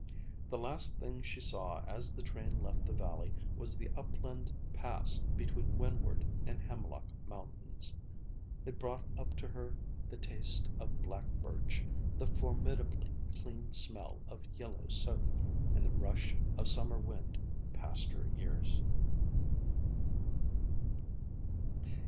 The last thing she saw as the train left the valley was the upland pass between Windward and Hemlock mountains. It brought up to her the taste of black birch, the formidably clean smell of yellow soap, and the rush of summer wind past her ears.